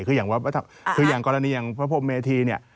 คืออย่างคืออย่างกรณีอย่างพระพรมเมธีเนี่ย